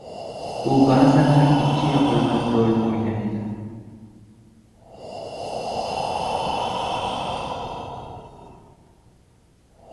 Bu bazalar ikki yoqlama rol o‘ynadi: